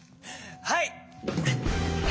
はい！